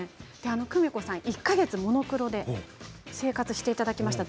久美子さん１か月モノクロで生活していただきました。